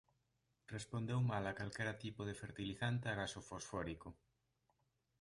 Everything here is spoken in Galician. Responde mal a calquera tipo de fertilizante agás o fosfórico.